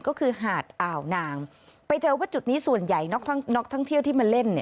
ก็คือหาดอ่าวนางไปเจอว่าจุดนี้ส่วนใหญ่นักท่องเที่ยวที่มาเล่นเนี่ย